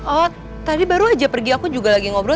oh tadi baru aja pergi aku juga lagi ngobrol